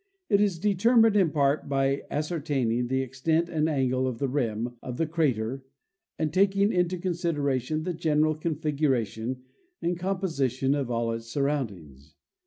It is determined in part by ascertaining the extent and angle of the rim of the crater and taking into consideration the general configuration and com . position of all its surroundings.